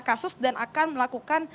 kasus dan akan melakukan